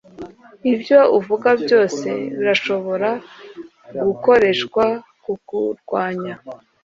Ibyo uvuga byose birashobora gukoreshwa kukurwanya